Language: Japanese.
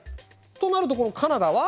となるとこのカナダは？